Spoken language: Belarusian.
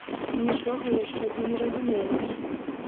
Нічога яшчэ ты не разумееш!